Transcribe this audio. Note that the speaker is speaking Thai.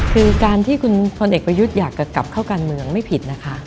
คือการที่คุณพลเอกประยุทธ์อยากจะกลับเข้าการเมืองไม่ผิดนะคะ